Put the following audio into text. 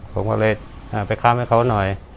ผมก็เลยไปข้ามให้เขาหน่อย